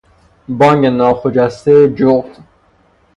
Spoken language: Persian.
بانگ ناخجسته جغد